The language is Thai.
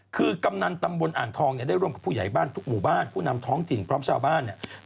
คือกำนันตำบลอ่างทองเนี่ยได้ร่วมกับผู้ใหญ่บ้านทุกหมู่บ้านผู้นำท้องถิ่นพร้อมชาวบ้านเนี่ย